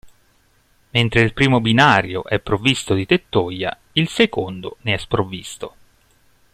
Mentre il primo binario è provvisto di tettoia, il secondo ne è sprovvisto.